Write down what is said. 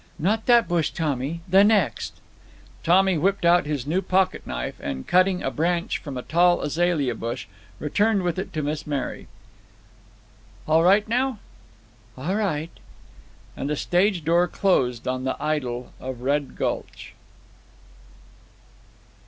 "Not that bush, Tommy the next." Tommy whipped out his new pocketknife, and, cutting a branch from a tall azalea bush, returned with it to Miss Mary. "All right now?" "All right." And the stage door closed on the Idyl of Red Gulch.